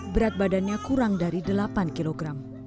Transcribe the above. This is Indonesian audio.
berat badannya kurang dari delapan kg